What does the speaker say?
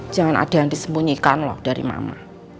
jangan ada yang disembunyikan loh dari mama